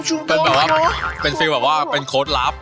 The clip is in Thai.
แต่ว่าเป็นความรู้สึกแบบว่าเป็นโค้ดลับ